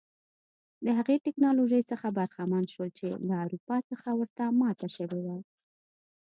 د هغې ټکنالوژۍ څخه برخمن شول چې له اروپا څخه ور ماته شوې وه.